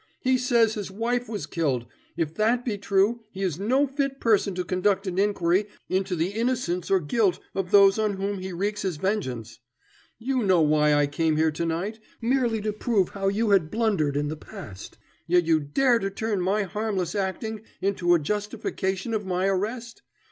"He says his wife was killed, and if that be true he is no fit person to conduct an inquiry into the innocence or guilt of those on whom he wreaks his vengeance. You know why I came here to night merely to prove how you had blundered in the past yet you dare to turn my harmless acting into a justification of my arrest.